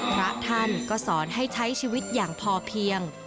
พระท่านก็สอนให้ใช้ชีวิตอย่างพอเพียง